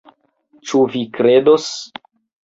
Ĉu vi kredos?